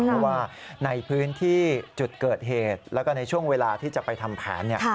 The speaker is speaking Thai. เพราะว่าในพื้นที่จุดเกิดเหตุแล้วก็ในช่วงเวลาที่จะไปทำแผน